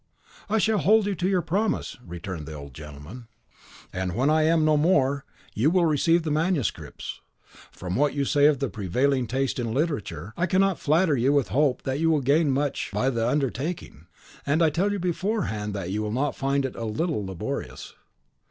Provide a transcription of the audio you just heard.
"I shall hold you to your promise," returned the old gentleman, "and when I am no more, you will receive the manuscripts. From what you say of the prevailing taste in literature, I cannot flatter you with the hope that you will gain much by the undertaking. And I tell you beforehand that you will find it not a little laborious."